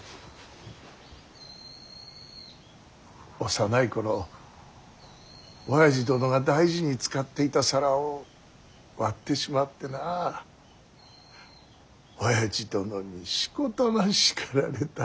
幼い頃おやじ殿が大事に使っていた皿を割ってしまってなおやじ殿にしこたま叱られた。